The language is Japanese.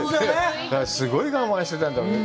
すごい我慢してたんだろうね。